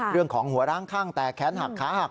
เรื่องของหัวล้างข้างแตะแขนหักขาหัก